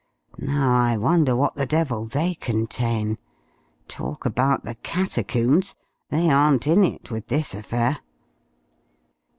Now I wonder what the devil they contain. Talk about the Catacombs! They aren't in it with this affair."